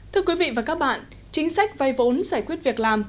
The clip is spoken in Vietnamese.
thưa quý vị và các bạn chính sách vay vốn giải quyết việc làm